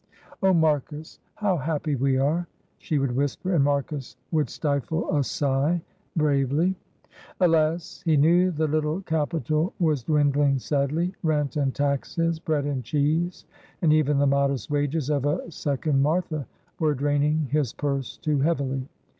"Oh, Marcus, how happy we are!" she would whisper, and Marcus would stifle a sigh bravely. [Illustration: "Oh, Marcus, how happy we are!"] Alas! he knew the little capital was dwindling sadly rent and taxes, bread and cheese, and even the modest wages of a second Martha were draining his purse too heavily.